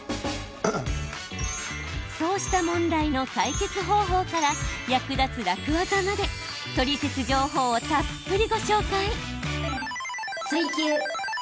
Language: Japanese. そうした問題の解決方法から役立つ楽ワザまでトリセツ情報をたっぷりご紹介！